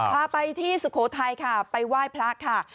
พาไปที่สุโขทัยค่ะไปไหว้พระค่ะ